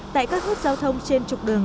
tại các hướng giao thông trên trục đường